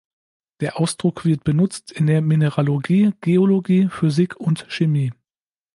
Der Ausdruck wird benutzt in der Mineralogie, Geologie, Physik und Chemie.